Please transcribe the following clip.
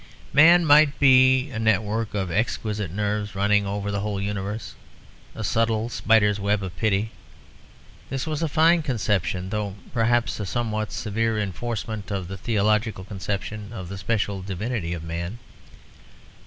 Man might be a network of exquisite nerves running over the whole universe, a subtle spider's web of pity. This was a fine conception; though perhaps a somewhat severe enforcement of the theological conception of the special divinity of man.